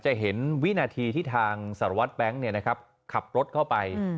จะเห็นวินาทีที่ทางสารวัตรแบงค์ขับรถเข้าไป